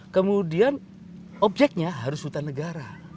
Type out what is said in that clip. kemudian objeknya harus hutan negara